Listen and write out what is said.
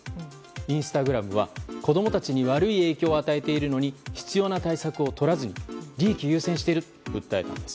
インスタグラムは子供たちに悪い影響を与えているのに必要な対策をとらずに利益優先していると訴えたんです。